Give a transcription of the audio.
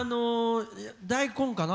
大根かな